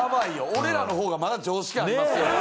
俺らの方がまだ常識ありますよね。